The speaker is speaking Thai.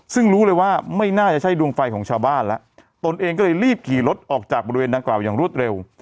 ซึ่งรู้เลยว่าไม่น่าจะใช่ดวงไฟของชาวบ้านแล้วตนเองก็เลยรีบขี่รถออกจากบริเวณดังกล่าวอย่างรวดเร็ว